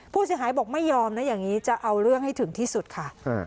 ผู้เสียหายบอกไม่ยอมนะอย่างนี้จะเอาเรื่องให้ถึงที่สุดค่ะ